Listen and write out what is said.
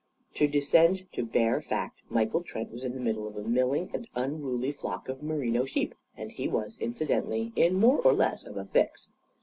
To descend to bare fact, Michael Trent was in the middle of a milling and unruly flock of merino sheep; and he was, incidentally, in more or less of a fix.